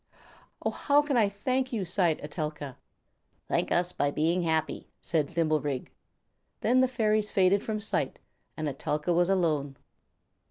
"Oh, how can I thank you?" sighed Etelka. "Thank us by being happy," said Thimblerig. Then the fairies faded from sight, and Etelka was alone.